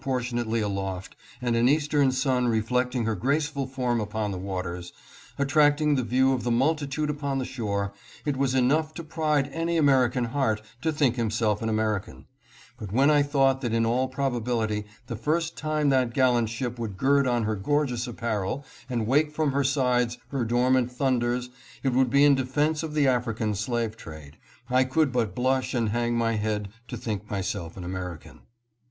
691 portionately aloft and an Eastern sun reflecting her graceful form upon the waters, attracting the view of the multitude upon the shore, it was enough to pride any American heart to think himself an American ; but when I thought that in all probability the first time that gallant ship would gird on her gorgeous apparel and wake from her sides her dormant thunders it would be in defense of the African slave trade, I could but blush and hang my head to think myself an American."